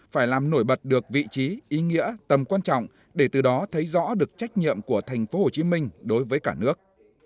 phải làm nổi bật được vị trí ý nghĩa tầm quan trọng để từ đó thấy rõ được trách nhiệm của thành phố hồ chí minh đối với cả nước